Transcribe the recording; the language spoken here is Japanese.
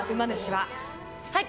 はい！